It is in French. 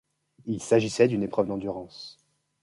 Il s'agissait d'une épreuve d'endurance.